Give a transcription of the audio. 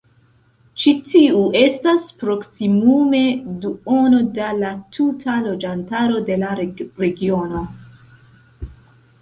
Ĉi tiu estas proksimume duono da la tuta loĝantaro de la regiono.